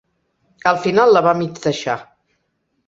Al final la va mig deixar.